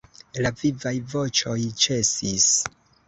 La vivaj voĉoj ĉesis.